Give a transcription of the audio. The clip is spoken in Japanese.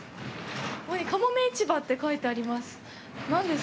ここに、かもめ市場って書いてあります。